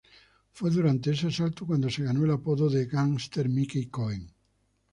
Fue durante ese asalto cuando se ganó el apodo de "gángster Mickey Cohen".